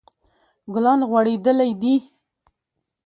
ګلان غوړیدلی دي